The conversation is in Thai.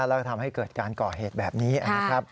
แล้วก็ทำให้เกิดการก่อเหตุแบบนี้นะครับ